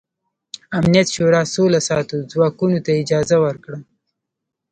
امنیت شورا سوله ساتو ځواکونو ته اجازه ورکړه.